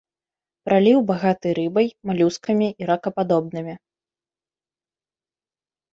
Праліў багаты рыбай, малюскамі і ракападобнымі.